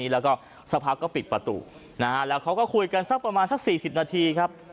แล้วก็สักพักก็ปิดประตูนะฮะแล้วเขาก็คุยกันสักประมาณสัก๔๐นาทีครับ